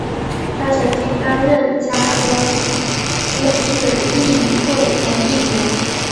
他曾经担任加的夫市议会的议员。